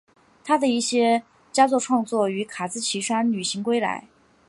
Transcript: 他的一些佳作创作于卡兹奇山旅行归来。